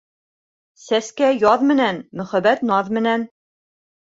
Сәскә яҙ менән, мөхәббәт наҙ менән.